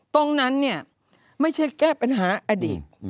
ตรงนั้นเนี่ยไม่ใช่แก้ปัญหาอดีต